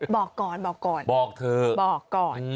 บอกก่อนบอกเถอะบอกก่อน